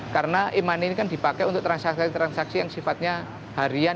karena e money ini kan dipakai untuk transaksi transaksi yang sifatnya harian